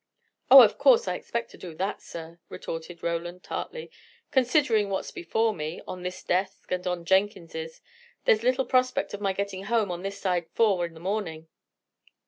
"Oh, of course I expect to do that, sir," retorted Roland, tartly. "Considering what's before me, on this desk and on Jenkins's, there's little prospect of my getting home on this side four in the morning.